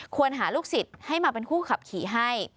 หาลูกศิษย์ให้มาเป็นผู้ขับขี่ให้